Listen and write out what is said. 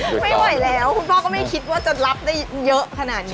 ไม่ไหวแล้วคุณพ่อก็ไม่คิดว่าจะรับได้เยอะขนาดนี้